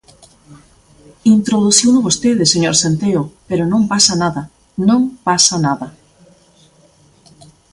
Introduciuno vostede, señor Centeo, pero non pasa nada, non pasa nada.